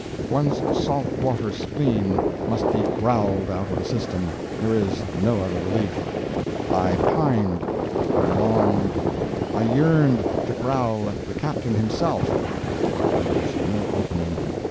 One's salt water spleen must be growled out of the system—there is no other relief. I pined—I longed—I yearned to growl at the Captain himself, but there was no opening.